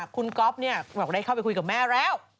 คุณก๊อบเนี่ยบอกว่าได้เข้าไปคุยกับแม่แล้ว